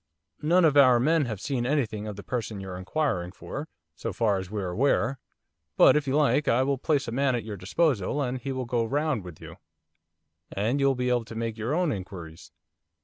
'None of our men have seen anything of the person you're inquiring for, so far as we're aware. But, if you like, I will place a man at your disposal, and he will go round with you, and you will be able to make your own inquiries.